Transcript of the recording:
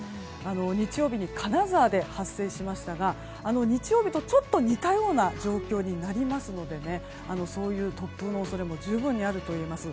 日曜日に金沢で発生しましたが日曜日とちょっと似たような状況になりますのでそういう突風の恐れも十分にあると思います。